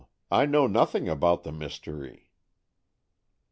I know nothing about the mystery."